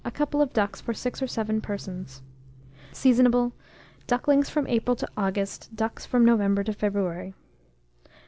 couple of ducks for 6 or 7 persons. Seasonable. Ducklings from April to August; ducks from November to February.